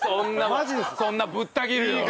そんなぶった切るような。